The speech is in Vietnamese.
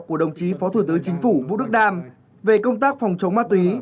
của đồng chí phó thủ tướng chính phủ vũ đức đam về công tác phòng chống ma túy